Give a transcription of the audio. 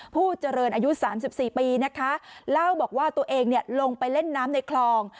ผู้เจริญอายุ๓๔ปีนะคะเล่าบอกว่าตัวเองลงไปเล่นน้ำในคลอง